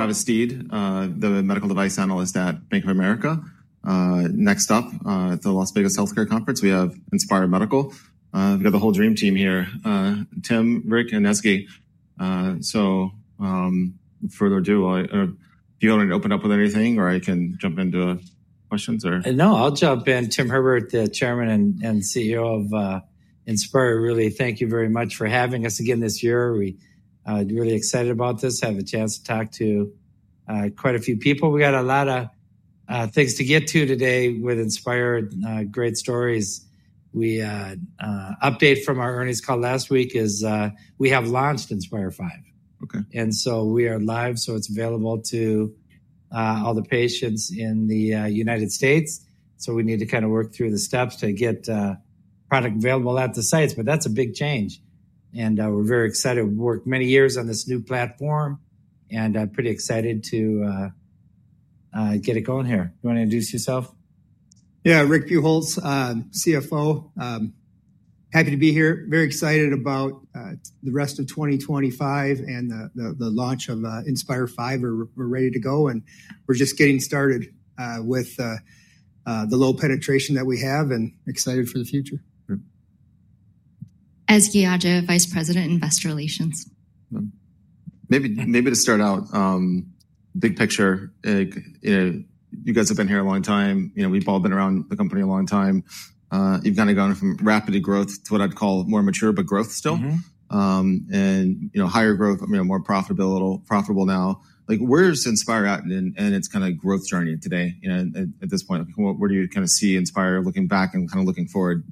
Travis Steed, the medical device analyst at Bank of America. Next up, at the Las Vegas Healthcare Conference, we have Inspire Medical. We've got the whole dream team here: Tim, Rick, and Ezgi. Without further ado, do you want to open up with anything, or I can jump into questions? No, I'll jump in. Tim Herbert, the Chairman and CEO of Inspire, really thank you very much for having us again this year. We're really excited about this, have a chance to talk to quite a few people. We've got a lot of things to get to today with Inspire, great stories. The update from our earnings call last week is we have launched Inspire 5. Okay. We are live, so it's available to all the patients in the United States. We need to kind of work through the steps to get product available at the sites, but that's a big change. We're very excited. We've worked many years on this new platform, and I'm pretty excited to get it going here. Do you want to introduce yourself? Yeah, Rick Buchholz, CFO. Happy to be here. Very excited about the rest of 2025 and the launch of Inspire 5. We're ready to go, and we're just getting started with the low penetration that we have and excited for the future. Ezgi Yagci, Vice President, Investor Relations. Maybe to start out, big picture, you guys have been here a long time. We've all been around the company a long time. You've kind of gone from rapid growth to what I'd call more mature, but growth still. And higher growth, more profitable now. Where's Inspire at in its kind of growth journey today? At this point, where do you kind of see Inspire looking back and kind of looking forward?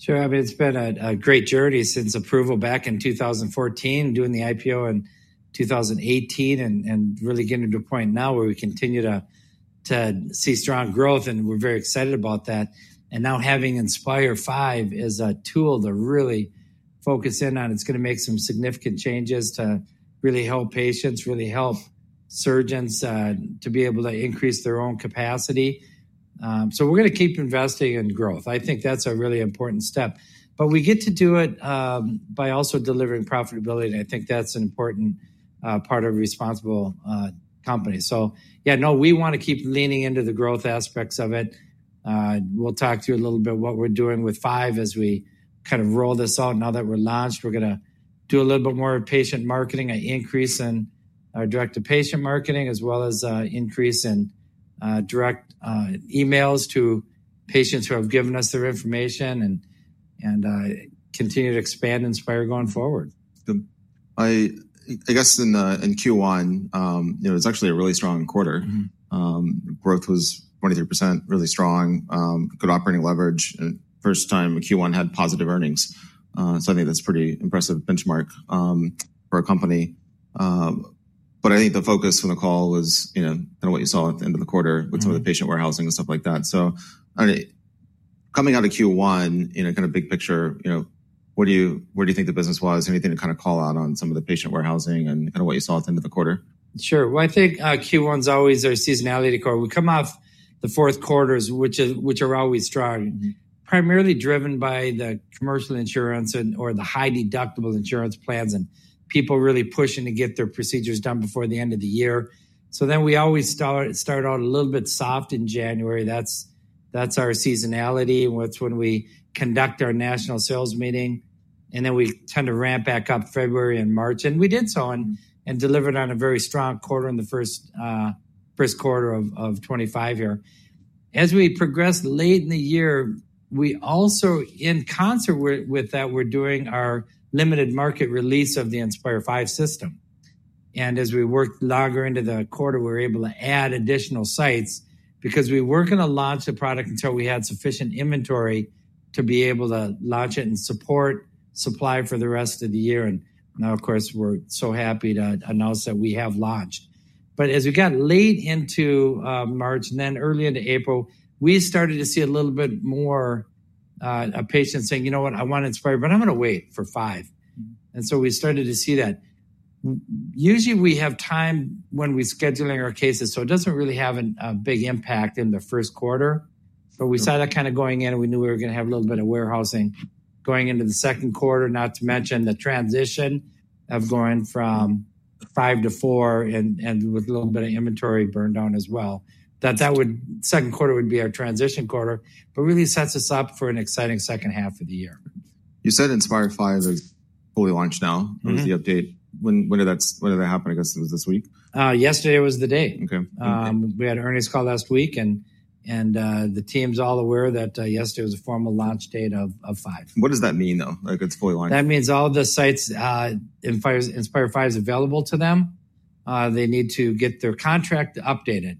Sure. I mean, it's been a great journey since approval back in 2014, doing the IPO in 2018, and really getting to a point now where we continue to see strong growth, and we're very excited about that. Now having Inspire 5 as a tool to really focus in on, it's going to make some significant changes to really help patients, really help surgeons to be able to increase their own capacity. We are going to keep investing in growth. I think that's a really important step. We get to do it by also delivering profitability, and I think that's an important part of a responsible company. Yeah, no, we want to keep leaning into the growth aspects of it. We'll talk to you a little bit about what we're doing with 5 as we kind of roll this out. Now that we're launched, we're going to do a little bit more patient marketing, an increase in our direct-to-patient marketing, as well as an increase in direct emails to patients who have given us their information, and continue to expand Inspire going forward. I guess in Q1, it was actually a really strong quarter. Growth was 23%, really strong, good operating leverage, and first time in Q1 had positive earnings. I think that's a pretty impressive benchmark for a company. I think the focus from the call was kind of what you saw at the end of the quarter with some of the patient warehousing and stuff like that. Coming out of Q1, kind of big picture, where do you think the business was? Anything to kind of call out on some of the patient warehousing and kind of what you saw at the end of the quarter? Sure. I think Q1 is always our seasonality call. We come off the fourth quarters, which are always strong, primarily driven by the commercial insurance or the high deductible insurance plans and people really pushing to get their procedures done before the end of the year. We always start out a little bit soft in January. That's our seasonality. That's when we conduct our national sales meeting, and we tend to ramp back up February and March. We did so and delivered on a very strong quarter in the first quarter of 2025 here. As we progressed late in the year, we also, in concert with that, were doing our limited market release of the Inspire V system. As we worked longer into the quarter, we were able to add additional sites because we were not going to launch the product until we had sufficient inventory to be able to launch it and support supply for the rest of the year. Now, of course, we are so happy to announce that we have launched. As we got late into March and then early into April, we started to see a little bit more patients saying, "You know what? I want Inspire, but I am going to wait for V." We started to see that. Usually, we have time when we are scheduling our cases, so it does not really have a big impact in the first quarter. We saw that kind of going in, and we knew we were going to have a little bit of warehousing going into the second quarter, not to mention the transition of going from 5 to 4 and with a little bit of inventory burned down as well. That second quarter would be our transition quarter, but really sets us up for an exciting second half of the year. You said Inspire 5 is fully launched now. What was the update? When did that happen? I guess it was this week. Yesterday was the date. Okay. We had an earnings call last week, and the team's all aware that yesterday was a formal launch date of 5. What does that mean, though? Like it's fully launched? That means all the sites, Inspire 5 is available to them. They need to get their contract updated.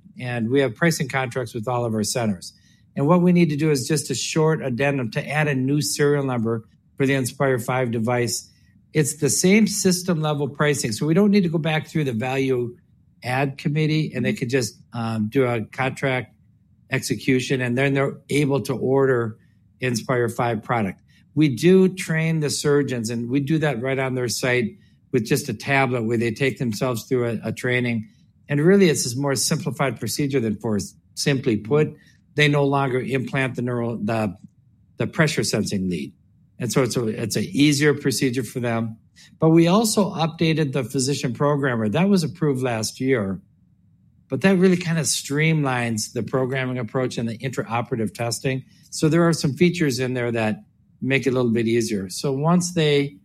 We have pricing contracts with all of our centers. What we need to do is just a short addendum to add a new serial number for the Inspire 5 device. It is the same system-level pricing. We do not need to go back through the value-add committee, and they could just do a contract execution, and then they are able to order Inspire V product. We do train the surgeons, and we do that right on their site with just a tablet where they take themselves through a training. Really, it is a more simplified procedure than before. Simply put, they no longer implant the pressure sensing lead. It is an easier procedure for them. We also updated the physician programmer. That was approved last year, but that really kind of streamlines the programming approach and the intraoperative testing. There are some features in there that make it a little bit easier. Once they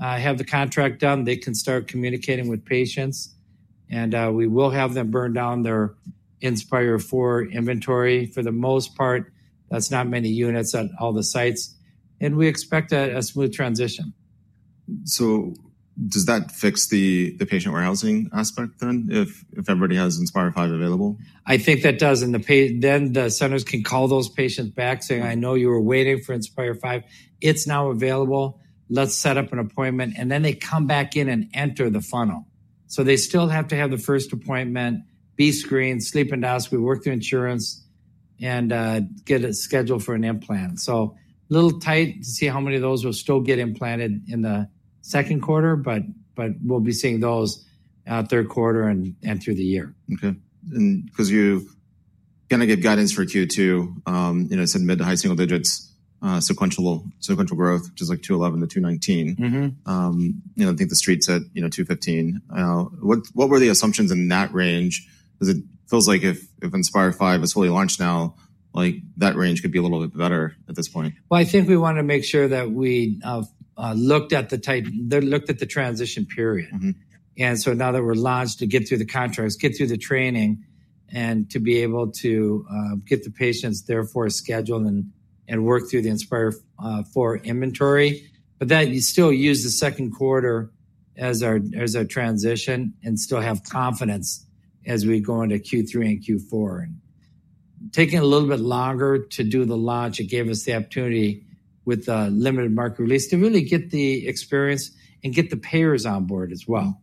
have the contract done, they can start communicating with patients, and we will have them burn down their Inspire 4 inventory. For the most part, that's not many units at all the sites. We expect a smooth transition. Does that fix the patient warehousing aspect then if everybody has Inspire 5 available? I think that does. The centers can call those patients back saying, "I know you were waiting for Inspire V. It's now available. Let's set up an appointment." They come back in and enter the funnel. They still have to have the first appointment, be screened, sleep endoscopy, work through insurance, and get it scheduled for an implant. It is a little tight to see how many of those will still get implanted in the second quarter, but we will be seeing those out third quarter and through the year. Okay. Because you're going to get guidance for Q2, it's admitted to high single digits sequential growth, just like 211 to 219. I think the street's at 215. What were the assumptions in that range? Because it feels like if Inspire 5 is fully launched now, that range could be a little bit better at this point. I think we want to make sure that we looked at the transition period. And so now that we're launched, to get through the contracts, get through the training, and to be able to get the patients there for a schedule and work through the Inspire 4 inventory. But then you still use the second quarter as a transition and still have confidence as we go into Q3 and Q4. Taking a little bit longer to do the launch, it gave us the opportunity with the limited market release to really get the experience and get the payers on board as well.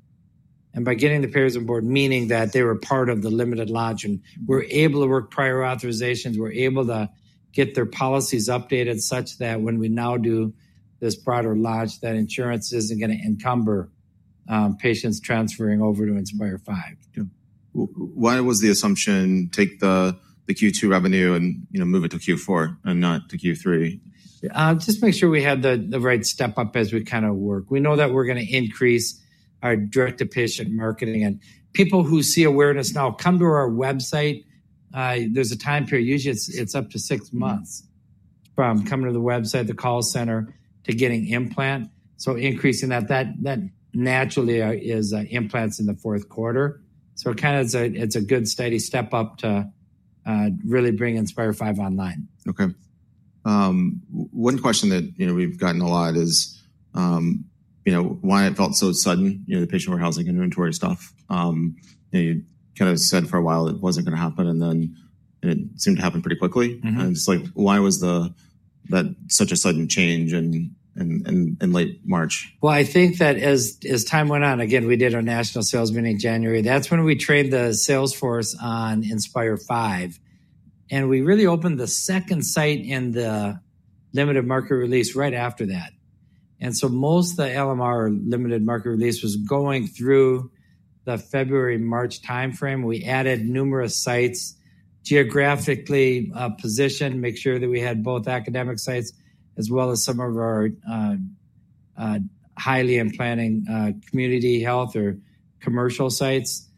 By getting the payers on board, meaning that they were part of the limited launch, and we're able to work prior authorizations, we're able to get their policies updated such that when we now do this broader launch, that insurance isn't going to encumber patients transferring over to Inspire V. Why was the assumption, take the Q2 revenue and move it to Q4 and not to Q3? Just to make sure we had the right step up as we kind of work. We know that we're going to increase our direct-to-patient marketing. And people who see awareness now come to our website. There's a time period. Usually, it's up to six months from coming to the website, the call center, to getting implant. So increasing that, that naturally is implants in the fourth quarter. So kind of it's a good steady step up to really bring Inspire 5 online. Okay. One question that we've gotten a lot is why it felt so sudden, the patient warehousing inventory stuff. You kind of said for a while it wasn't going to happen, and then it seemed to happen pretty quickly. It's like, why was that such a sudden change in late March? I think that as time went on, again, we did our national sales meeting in January. That's when we trained the salesforce on Inspire V. We really opened the second site in the limited market release right after that. Most of the LMR limited market release was going through the February-March timeframe. We added numerous sites geographically positioned, make sure that we had both academic sites as well as some of our highly implanting community health or commercial sites.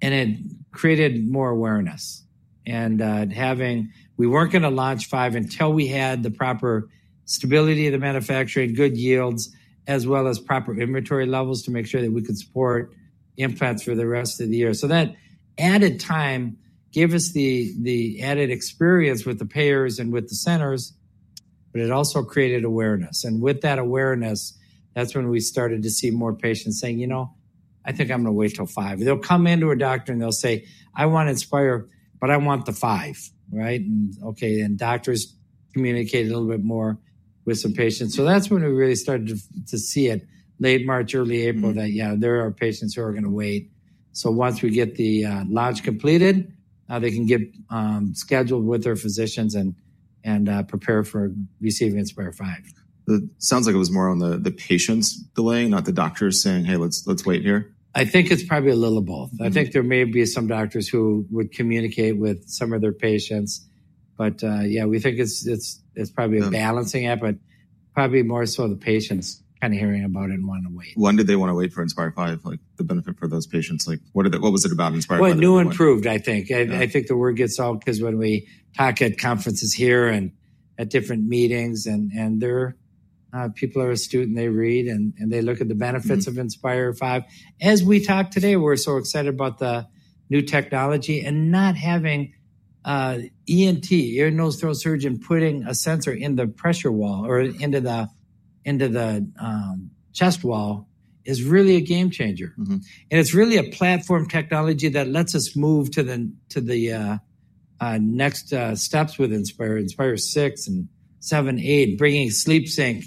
It created more awareness. We were not going to launch 5 until we had the proper stability of the manufacturing, good yields, as well as proper inventory levels to make sure that we could support implants for the rest of the year. That added time gave us the added experience with the payers and with the centers, but it also created awareness. With that awareness, that's when we started to see more patients saying, "You know, I think I'm going to wait till 5." They'll come in to a doctor and they'll say, "I want Inspire, but I want the 5." Right? Okay, and doctors communicate a little bit more with some patients. That's when we really started to see it late March, early April that, yeah, there are patients who are going to wait. Once we get the launch completed, they can get scheduled with their physicians and prepare for receiving Inspire V. It sounds like it was more on the patients delaying, not the doctors saying, "Hey, let's wait here. I think it's probably a little of both. I think there may be some doctors who would communicate with some of their patients. Yeah, we think it's probably a balancing act, but probably more so the patients kind of hearing about it and want to wait. When did they want to wait for Inspire V? Like, the benefit for those patients, like, what was it about Inspire V? New improved, I think. I think the word gets all because when we talk at conferences here and at different meetings, and people are astute and they read and they look at the benefits of Inspire V. As we talk today, we're so excited about the new technology and not having ENT, ear, nose, throat surgeon putting a sensor in the pressure wall or into the chest wall is really a game changer. It is really a platform technology that lets us move to the next steps with Inspire, Inspire 6 and 7, 8, bringing SleepSync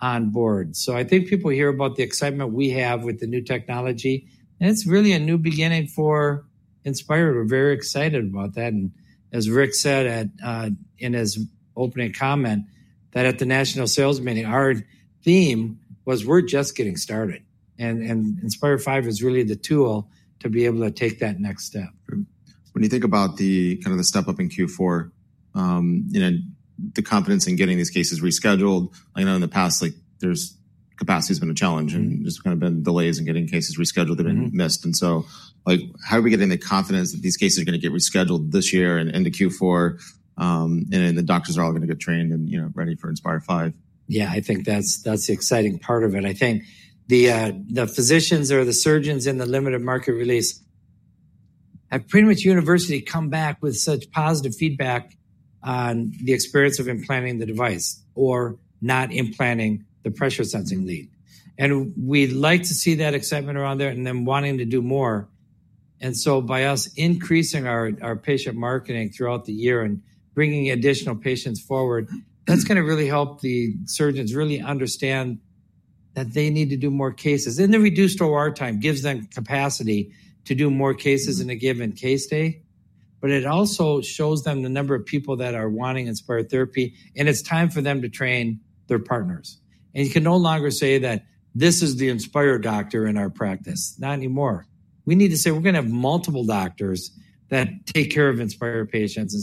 on board. I think people hear about the excitement we have with the new technology, and it is really a new beginning for Inspire. We're very excited about that. As Rick said in his opening comment, at the national sales meeting, our theme was, "We're just getting started." Inspire V is really the tool to be able to take that next step. When you think about the kind of the step up in Q4, the confidence in getting these cases rescheduled, I know in the past, capacity has been a challenge and just kind of been delays in getting cases rescheduled that have been missed. How are we getting the confidence that these cases are going to get rescheduled this year into Q4 and the doctors are all going to get trained and ready for Inspire V? Yeah, I think that's the exciting part of it. I think the physicians or the surgeons in the limited market release have pretty much universally come back with such positive feedback on the experience of implanting the device or not implanting the pressure sensing lead. We'd like to see that excitement around there and them wanting to do more. By us increasing our patient marketing throughout the year and bringing additional patients forward, that's going to really help the surgeons really understand that they need to do more cases. The reduced OR time gives them capacity to do more cases in a given case day. It also shows them the number of people that are wanting Inspire therapy, and it's time for them to train their partners. You can no longer say that this is the Inspire doctor in our practice. Not anymore. We need to say we're going to have multiple doctors that take care of Inspire patients.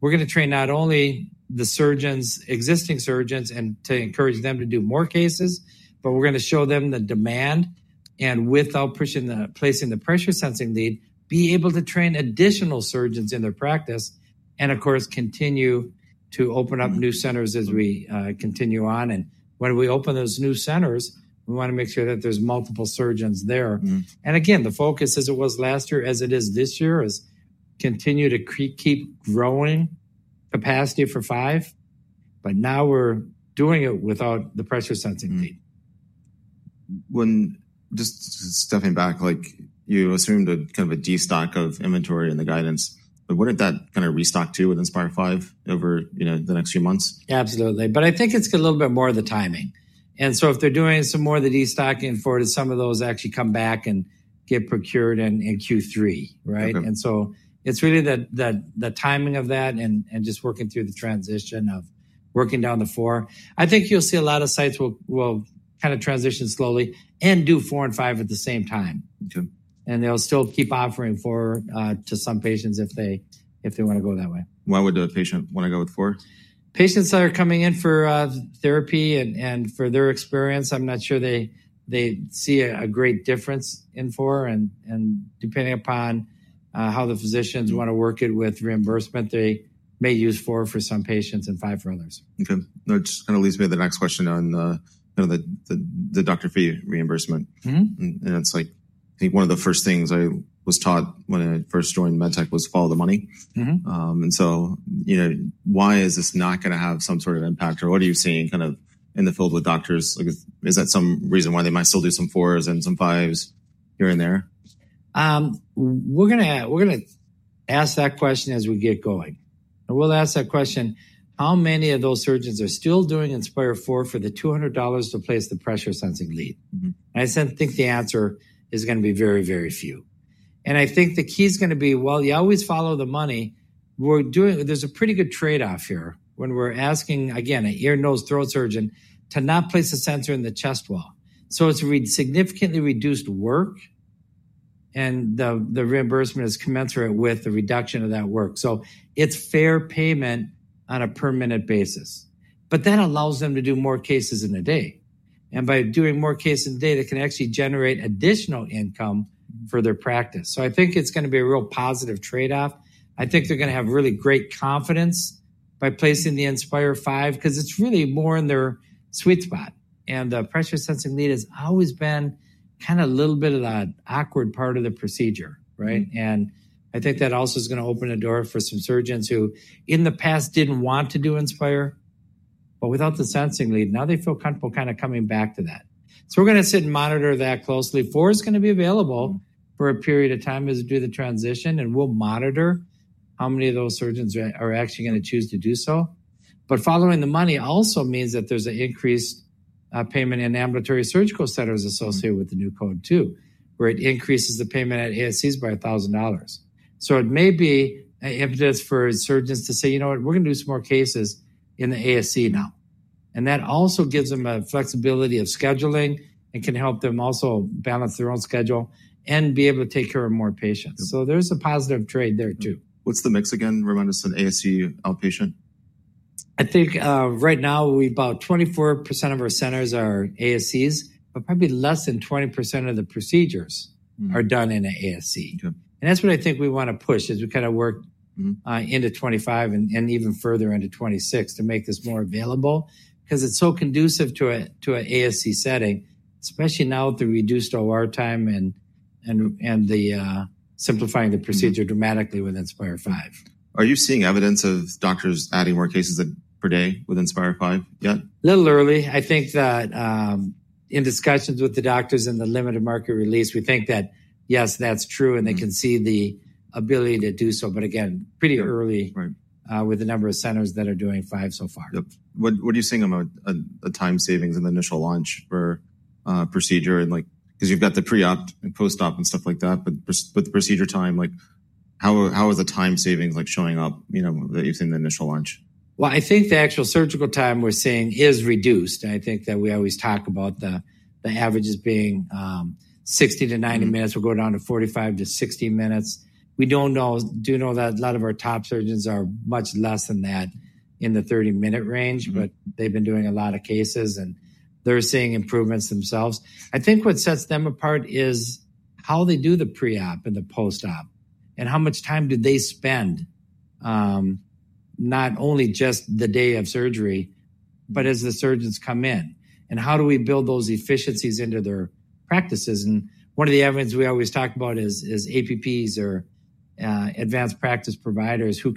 We're going to train not only the surgeons, existing surgeons, and to encourage them to do more cases, but we're going to show them the demand. Without pushing the pressure sensing lead, be able to train additional surgeons in their practice and, of course, continue to open up new centers as we continue on. When we open those new centers, we want to make sure that there's multiple surgeons there. The focus as it was last year, as it is this year, is continue to keep growing capacity for 5, but now we're doing it without the pressure sensing lead. Just stepping back, like you assumed a kind of a destock of inventory in the guidance, but wouldn't that kind of restock too with Inspire V over the next few months? Absolutely. I think it's a little bit more of the timing. If they're doing some more of the destocking forward, some of those actually come back and get procured in Q3, right? It's really the timing of that and just working through the transition of working down the 4. I think you'll see a lot of sites will kind of transition slowly and do 4 and 5 at the same time. They'll still keep offering 4 to some patients if they want to go that way. Why would the patient want to go with 4? Patients that are coming in for therapy and for their experience, I'm not sure they see a great difference in 4. And depending upon how the physicians want to work it with reimbursement, they may use 4 for some patients and 5 for others. Okay. That just kind of leads me to the next question on kind of the doctor fee reimbursement. It's like I think one of the first things I was taught when I first joined MedTech was follow the money. Why is this not going to have some sort of impact? What are you seeing kind of in the field with doctors? Is that some reason why they might still do some 4s and some 5s here and there? We're going to ask that question as we get going. We'll ask that question, how many of those surgeons are still doing Inspire 4 for the $200 to place the pressure sensing lead? I think the answer is going to be very, very few. I think the key is going to be, you always follow the money. There's a pretty good trade-off here when we're asking, again, an ear, nose, throat surgeon to not place a sensor in the chest wall. It is a significantly reduced work, and the reimbursement is commensurate with the reduction of that work. It is fair payment on a per minute basis. That allows them to do more cases in a day. By doing more cases in a day, they can actually generate additional income for their practice. I think it's going to be a real positive trade-off. I think they're going to have really great confidence by placing the Inspire V because it's really more in their sweet spot. The pressure sensing lead has always been kind of a little bit of that awkward part of the procedure, right? I think that also is going to open a door for some surgeons who in the past didn't want to do Inspire, but without the sensing lead, now they feel comfortable kind of coming back to that. We are going to sit and monitor that closely. Inspire 4 is going to be available for a period of time as we do the transition, and we'll monitor how many of those surgeons are actually going to choose to do so. Following the money also means that there's an increased payment in ambulatory surgical centers associated with the new code too, where it increases the payment at ASCs by $1,000. It may be an impetus for surgeons to say, you know what, we're going to do some more cases in the ASC now. That also gives them a flexibility of scheduling and can help them also balance their own schedule and be able to take care of more patients. There's a positive trade there too. What's the mix again? Remind us of ASC outpatient. I think right now we're about 24% of our centers are ASCs, but probably less than 20% of the procedures are done in an ASC. That's what I think we want to push as we kind of work into 2025 and even further into 2026 to make this more available because it's so conducive to an ASC setting, especially now with the reduced OR time and simplifying the procedure dramatically with Inspire V. Are you seeing evidence of doctors adding more cases per day with Inspire V yet? A little early. I think that in discussions with the doctors in the limited market release, we think that yes, that's true and they can see the ability to do so. Again, pretty early with the number of centers that are doing 5 so far. What are you seeing about the time savings in the initial launch for procedure? Because you've got the pre-op and post-op and stuff like that, but the procedure time, how are the time savings showing up that you've seen in the initial launch? I think the actual surgical time we're seeing is reduced. I think that we always talk about the averages being 60-90 minutes. We're going down to 45-60 minutes. We do know that a lot of our top surgeons are much less than that in the 30-minute range, but they've been doing a lot of cases and they're seeing improvements themselves. I think what sets them apart is how they do the pre-op and the post-op and how much time they spend not only just the day of surgery, but as the surgeons come in. How do we build those efficiencies into their practices? One of the evidence we always talk about is APPs or advanced practice providers who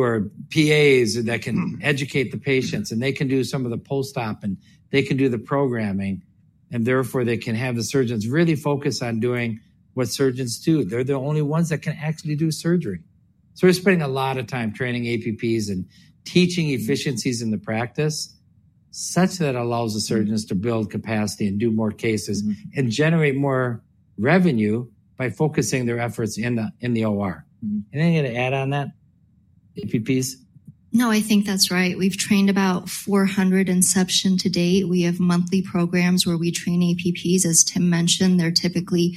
are PAs that can educate the patients and they can do some of the post-op and they can do the programming. Therefore they can have the surgeons really focus on doing what surgeons do. They are the only ones that can actually do surgery. We are spending a lot of time training APPs and teaching efficiencies in the practice such that it allows the surgeons to build capacity and do more cases and generate more revenue by focusing their efforts in the OR. Anything to add on that, APPs? No, I think that's right. We've trained about 400 inception to date. We have monthly programs where we train APPs. As Tim mentioned, they're typically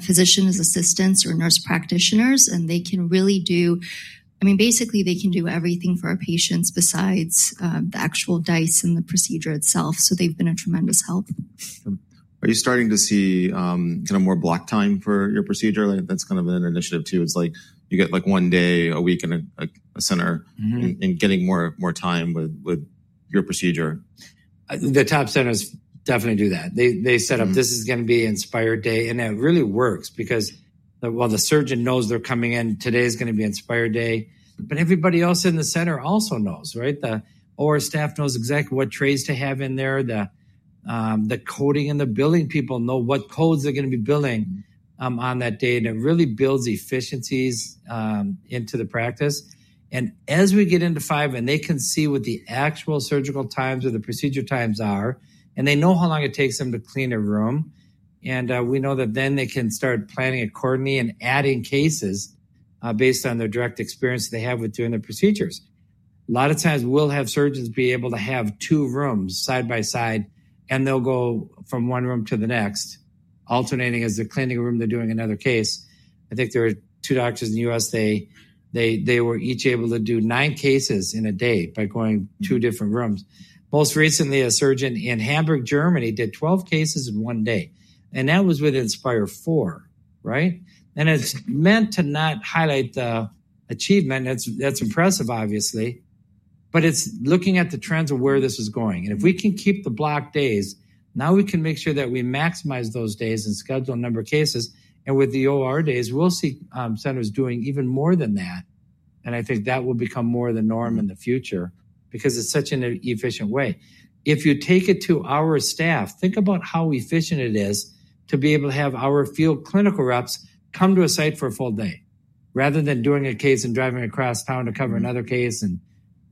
physician assistants or nurse practitioners, and they can really do, I mean, basically they can do everything for our patients besides the actual DICE and the procedure itself. They've been a tremendous help. Are you starting to see kind of more block time for your procedure? That's kind of an initiative too. It's like you get like one day a week in a center and getting more time with your procedure. The top centers definitely do that. They set up, this is going to be Inspire Day. It really works because while the surgeon knows they're coming in, today is going to be Inspire Day. Everybody else in the center also knows, right? The OR staff knows exactly what trays to have in there. The coding and the billing people know what codes they're going to be billing on that day. It really builds efficiencies into the practice. As we get into 5 and they can see what the actual surgical times or the procedure times are, and they know how long it takes them to clean a room. We know that then they can start planning accordingly and adding cases based on their direct experience they have with doing the procedures. A lot of times we'll have surgeons be able to have two rooms side by side and they'll go from one room to the next, alternating as they're cleaning a room, they're doing another case. I think there are two doctors in the U.S., they were each able to do nine cases in a day by going to different rooms. Most recently, a surgeon in Hamburg, Germany did 12 cases in one day. And that was with Inspire 4, right? And it's meant to not highlight the achievement. That's impressive, obviously, but it's looking at the trends of where this is going. If we can keep the block days, now we can make sure that we maximize those days and schedule a number of cases. With the OR days, we'll see centers doing even more than that. I think that will become more the norm in the future because it is such an efficient way. If you take it to our staff, think about how efficient it is to be able to have our field clinical reps come to a site for a full day rather than doing a case and driving across town to cover another case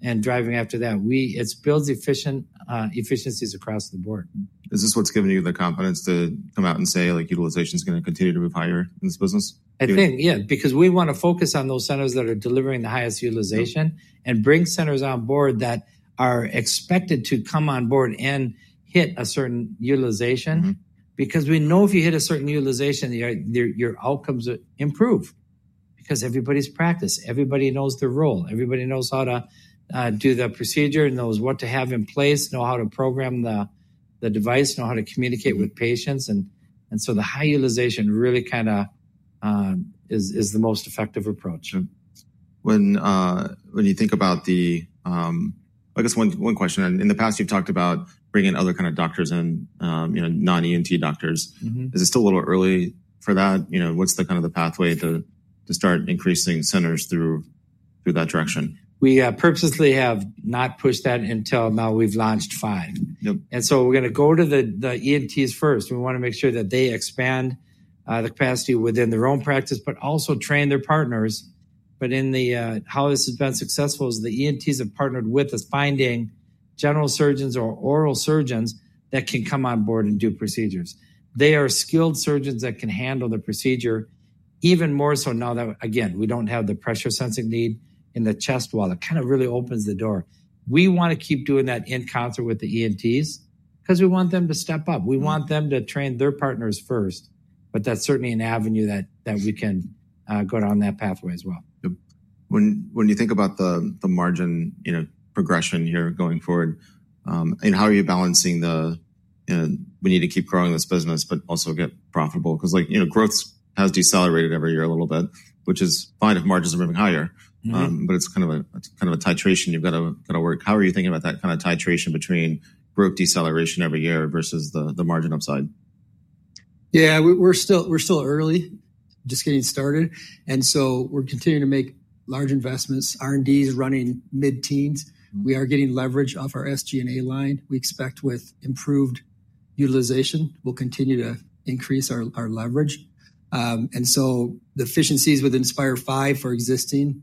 and driving after that. It builds efficiencies across the board. Is this what's given you the confidence to come out and say utilization is going to continue to move higher in this business? I think, yeah, because we want to focus on those centers that are delivering the highest utilization and bring centers on board that are expected to come on board and hit a certain utilization because we know if you hit a certain utilization, your outcomes improve because everybody's practiced. Everybody knows their role. Everybody knows how to do the procedure and knows what to have in place, know how to program the device, know how to communicate with patients. The high utilization really kind of is the most effective approach. When you think about the, I guess one question, in the past you've talked about bringing other kind of doctors in, non-ENT doctors. Is it still a little early for that? What's the kind of the pathway to start increasing centers through that direction? We purposely have not pushed that until now we've launched 5. We are going to go to the ENTs first. We want to make sure that they expand the capacity within their own practice, but also train their partners. How this has been successful is the ENTs have partnered with us finding general surgeons or oral surgeons that can come on board and do procedures. They are skilled surgeons that can handle the procedure even more so now that, again, we do not have the pressure sensing lead in the chest wall. It kind of really opens the door. We want to keep doing that in concert with the ENTs because we want them to step up. We want them to train their partners first, but that is certainly an avenue that we can go down that pathway as well. When you think about the margin progression here going forward, how are you balancing the, we need to keep growing this business, but also get profitable? Because growth has decelerated every year a little bit, which is fine if margins are moving higher, but it's kind of a titration you've got to work. How are you thinking about that kind of titration between growth deceleration every year versus the margin upside? Yeah, we're still early, just getting started. We're continuing to make large investments. R&D is running mid-teens. We are getting leverage off our SG&A line. We expect with improved utilization, we'll continue to increase our leverage. The efficiencies with Inspire V for existing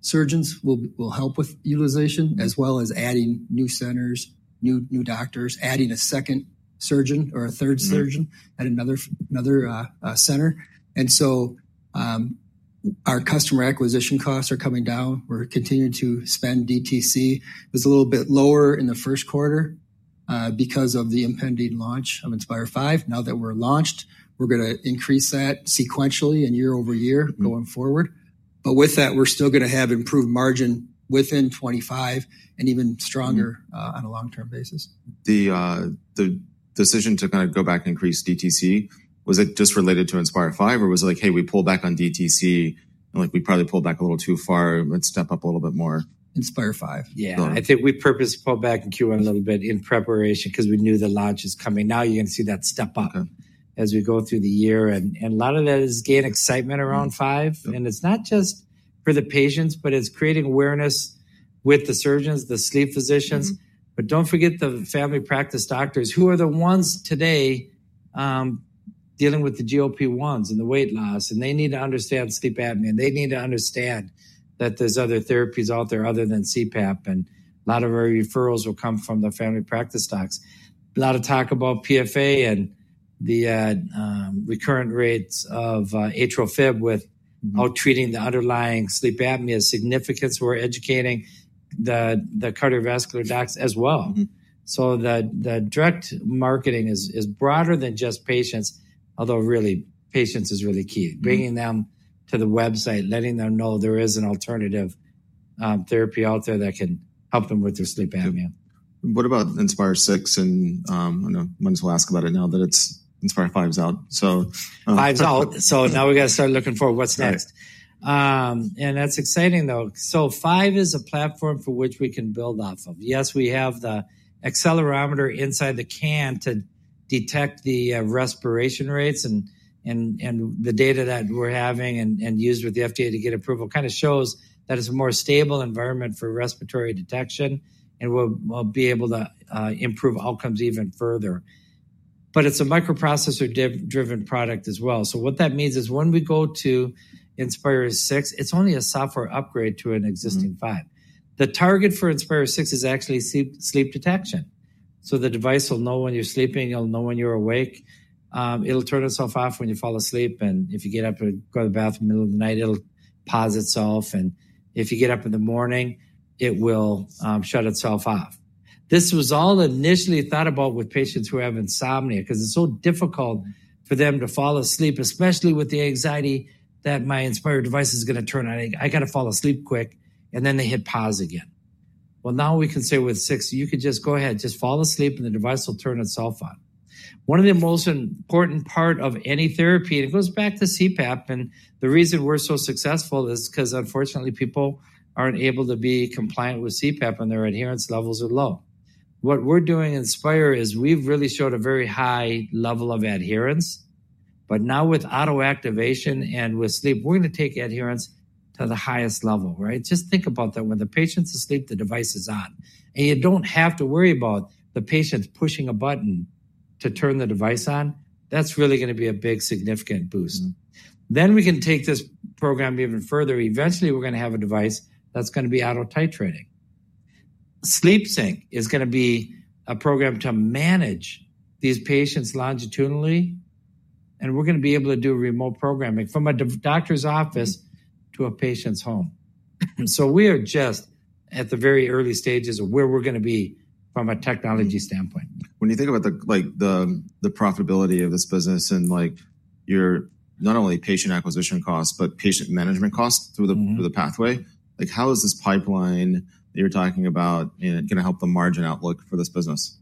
surgeons will help with utilization as well as adding new centers, new doctors, adding a second surgeon or a third surgeon at another center. Our customer acquisition costs are coming down. We're continuing to spend DTC. It's a little bit lower in the first quarter because of the impending launch of Inspire V. Now that we're launched, we're going to increase that sequentially and year over year going forward. With that, we're still going to have improved margin within 2025 and even stronger on a long-term basis. The decision to kind of go back and increase DTC, was it just related to Inspire V or was it like, hey, we pull back on DTC and we probably pull back a little too far, let's step up a little bit more? Inspire V, yeah. I think we purposely pulled back in Q1 a little bit in preparation because we knew the launch is coming. Now you're going to see that step up as we go through the year. A lot of that is gaining excitement around 5. It is not just for the patients, but it is creating awareness with the surgeons, the sleep physicians. Do not forget the family practice doctors who are the ones today dealing with the GLP-1s and the weight loss. They need to understand sleep apnea. They need to understand that there are other therapies out there other than CPAP. A lot of our referrals will come from the family practice docs. There is a lot of talk about PFA and the recurrent rates of atrial fib without treating the underlying sleep apnea significance. We are educating the cardiovascular docs as well. The direct marketing is broader than just patients, although really patients is really key. Bringing them to the website, letting them know there is an alternative therapy out there that can help them with their sleep apnea. What about Inspire 6? I know Minnis will ask about it now that Inspire 5 is out. Five is out. Now we got to start looking for what's next. That's exciting though. Five is a platform for which we can build off of. Yes, we have the accelerometer inside the can to detect the respiration rates and the data that we're having and used with the FDA to get approval kind of shows that it's a more stable environment for respiratory detection and we'll be able to improve outcomes even further. It's a microprocessor-driven product as well. What that means is when we go to Inspire 6, it's only a software upgrade to an existing Five. The target for Inspire 6 is actually sleep detection. The device will know when you're sleeping. It'll know when you're awake. It'll turn itself off when you fall asleep. If you get up to go to the bathroom in the middle of the night, it will pause itself. If you get up in the morning, it will shut itself off. This was all initially thought about with patients who have insomnia because it is so difficult for them to fall asleep, especially with the anxiety that my Inspire device is going to turn. I got to fall asleep quick and then they hit pause again. Now we can say with 6, you can just go ahead, just fall asleep and the device will turn itself on. One of the most important parts of any therapy, and it goes back to CPAP, and the reason we are so successful is because unfortunately people are not able to be compliant with CPAP and their adherence levels are low. What we're doing in Inspire is we've really showed a very high level of adherence, but now with auto activation and with sleep, we're going to take adherence to the highest level, right? Just think about that. When the patient's asleep, the device is on. You don't have to worry about the patient pushing a button to turn the device on. That's really going to be a big significant boost. We can take this program even further. Eventually, we're going to have a device that's going to be auto titrating. SleepSync is going to be a program to manage these patients longitudinally. We're going to be able to do remote programming from a doctor's office to a patient's home. We are just at the very early stages of where we're going to be from a technology standpoint. When you think about the profitability of this business and your not only patient acquisition costs, but patient management costs through the pathway, how is this pipeline that you're talking about going to help the margin outlook for this business?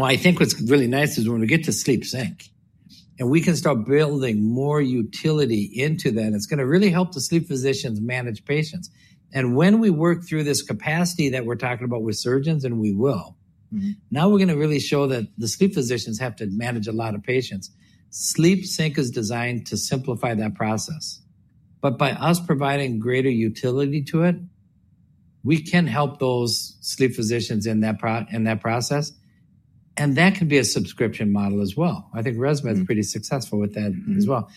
I think what's really nice is when we get to SleepSync and we can start building more utility into that, it's going to really help the sleep physicians manage patients. When we work through this capacity that we're talking about with surgeons, and we will, now we're going to really show that the sleep physicians have to manage a lot of patients. SleepSync is designed to simplify that process. By us providing greater utility to it, we can help those sleep physicians in that process. That can be a subscription model as well. I think ResMed is pretty successful with that as well.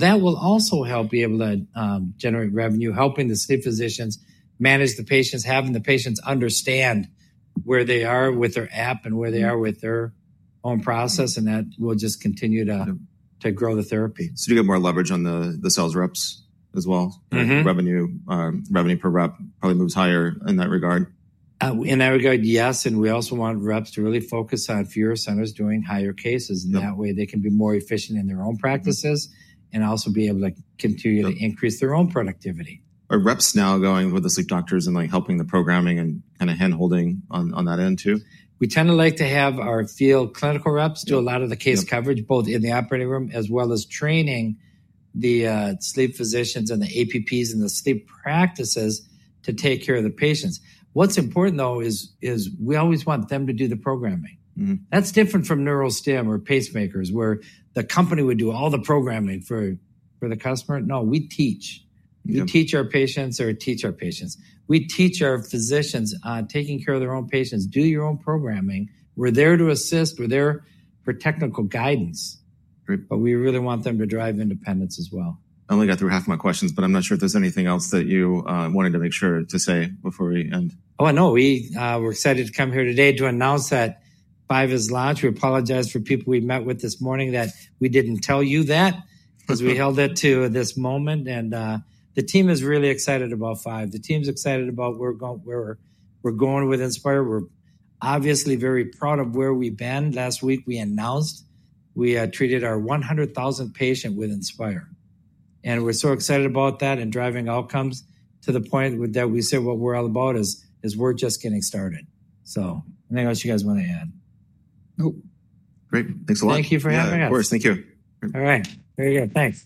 That will also help be able to generate revenue, helping the sleep physicians manage the patients, having the patients understand where they are with their app and where they are with their own process. That will just continue to grow the therapy. Do you get more leverage on the sales reps as well? Revenue per rep probably moves higher in that regard. In that regard, yes. We also want reps to really focus on fewer centers doing higher cases. That way they can be more efficient in their own practices and also be able to continue to increase their own productivity. Are reps now going with the sleep doctors and helping the programming and kind of handholding on that end too? We tend to like to have our field clinical reps do a lot of the case coverage, both in the operating room as well as training the sleep physicians and the APPs and the sleep practices to take care of the patients. What's important though is we always want them to do the programming. That's different from neurostim or pacemakers where the company would do all the programming for the customer. No, we teach. We teach our physicians on taking care of their own patients. Do your own programming. We're there to assist. We're there for technical guidance, but we really want them to drive independence as well. I only got through half of my questions, but I'm not sure if there's anything else that you wanted to make sure to say before we end. Oh, no, we were excited to come here today to announce that 5 is launched. We apologize for people we met with this morning that we did not tell you that because we held it to this moment. The team is really excited about 5. The team's excited about where we are going with Inspire. We are obviously very proud of where we have been. Last week we announced we treated our 100,000 patients with Inspire. We are so excited about that and driving outcomes to the point that we said what we are all about is we are just getting started. I do not know what you guys want to add. Great. Thanks a lot. Thank you for having us. Yeah, of course. Thank you. All right. Very good. Thanks.